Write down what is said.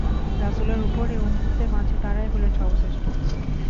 রাসূলের পর এ উম্মতের মাঝে তারাই হলেন সর্বশ্রেষ্ঠ।